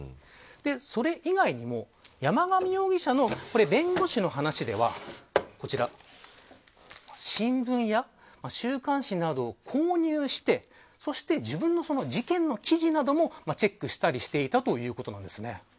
それ以外にも山上容疑者の弁護士の話ではこちら新聞や週刊誌などを購入して、そして自分の事件の記事などもチェックしたりしていたということなんです。